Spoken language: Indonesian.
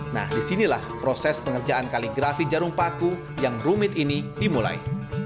nah disinilah proses pengerjaan kaligrafi jarum paku yang rumit ini dimulai